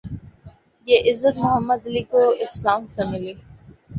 یہ عزت Muhammad Ali کو اسلام سے ملی